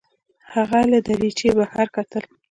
هغه له دریچې بهر کتل.